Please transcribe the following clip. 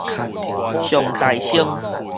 上代先